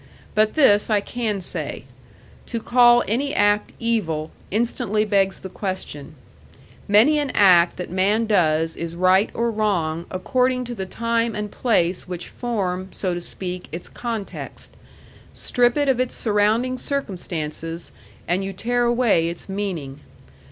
But this I can say: to call any act evil, instantly begs the question. Many an act that man does is right or wrong according to the time and place which form, so to speak, its context; strip it of its surrounding circumstances, and you tear away its meaning.